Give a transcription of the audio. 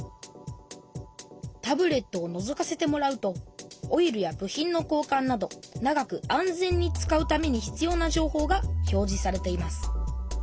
タブレットをのぞかせてもらうとオイルや部品の交かんなど長く安全に使うために必要なじょうほうが表じされています。